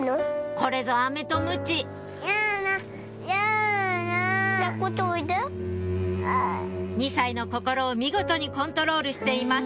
これぞアメとムチ２歳の心を見事にコントロールしています